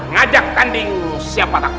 ngajak tanding siapa takut